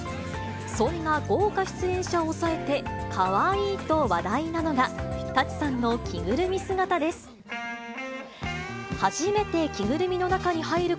そんな豪華出演者を抑えて、かわいいと話題なのが、舘さんの着ぐるみ姿です。